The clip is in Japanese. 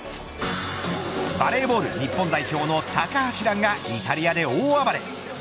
バレーボール日本代表の高橋藍がイタリアで大暴れ。